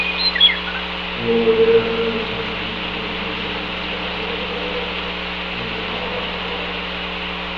Lord Hastings had previously represented West Norfolk in the House of Commons.